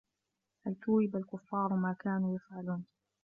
هَل ثُوِّبَ الكُفّارُ ما كانوا يَفعَلونَ